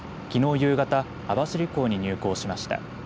夕方網走港に入港しました。